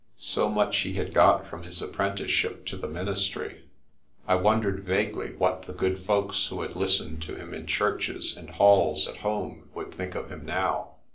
So much he had got from his apprenticeship to the ministry. I won dered vaguely what the good folks who had listened to him in churches and halls at home would think of him now.